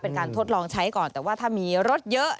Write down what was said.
เป็นการทดลองใช้ก่อนแต่ว่าถ้ามีรถเยอะ